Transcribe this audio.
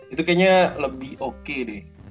itu kayaknya lebih oke deh